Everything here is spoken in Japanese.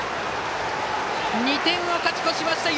２点を勝ち越しました！